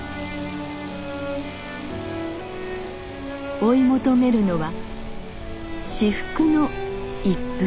追い求めるのは至福の一服